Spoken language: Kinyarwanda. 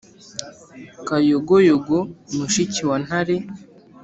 Kayogoyogo mushiki wa Ntare